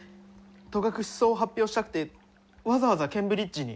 戸隠草を発表したくてわざわざケンブリッジに？